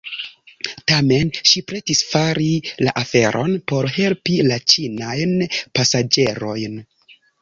Tamen ŝi pretis fari la aferon por helpi la ĉinajn pasaĝerojn.